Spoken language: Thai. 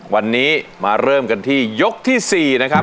วันนี้มาเริ่มกันที่ยกที่๔นะครับ